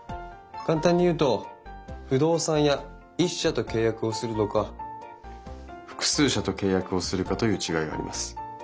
簡単に言うと不動産屋１社と契約をするのか複数社と契約をするかという違いがあります。